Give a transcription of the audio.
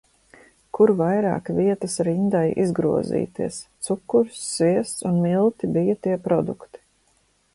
Kur vairāk vietas rindai izgrozīties. Cukurs, sviests un milti bija tie produkti.